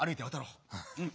うん。